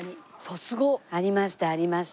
さすが！ありましたありました。